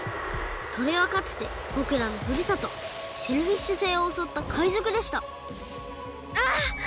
それはかつてぼくらのふるさとシェルフィッシュ星をおそったかいぞくでしたああっ！